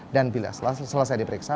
dan bila selesai diperiksa